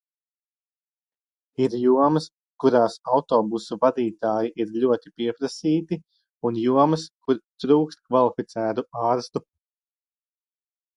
Ir jomas, kurās autobusu vadītāji ir ļoti pieprasīti, un jomas, kur trūkst kvalificētu ārstu.